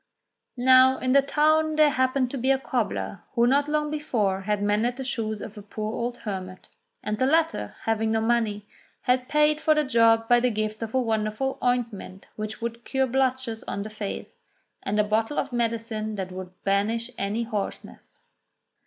Now in the town there happened to be a cobbler who not long before had mended the shoes of a poor old hermit ; and the latter, having no money, had paid for the job by the gift of a wonderful ointment which would cure blotches on the face, and a bottle of medicine that would banish any hoarseness.